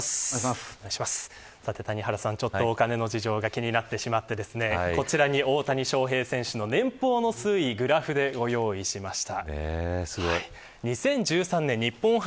さて谷原さんお金の事情が気になってしまってこちらに大谷翔平選手の年俸の推移グラフで、ご用意しました。